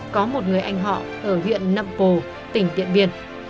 có một người anh họ ở huyện năm pồ tỉnh tiện biệt